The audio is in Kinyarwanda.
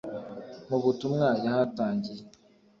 Mu butumwa yahatangiye